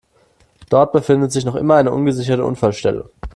Dort befindet sich noch immer eine ungesicherte Unfallstelle.